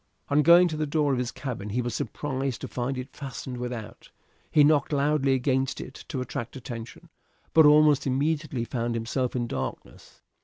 On going to the door of his cabin he was surprised to find it fastened without. He knocked loudly against it to attract attention, but almost immediately found himself in darkness.